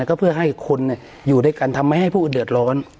ก็เพื่อให้คนอยู่ด้วยกันทำให้ผู้อื่นเดือดร้อน